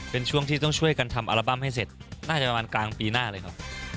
เป็นช่วงที่ต้องช่วยกันทำอัลบั้มให้เสร็จน่าจะประมาณกลางปีหน้าเลยเนอะ